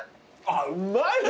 あっうまいね！